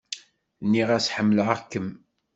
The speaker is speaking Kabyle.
Nniɣ-as: Ḥemmleɣ-kem.